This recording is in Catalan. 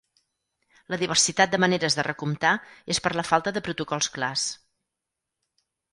La diversitat de maneres de recomptar és per la falta de protocols clars.